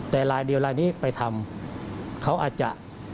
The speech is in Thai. แต่ลายเดียวลายนี้ไปทำเขาอาจจะ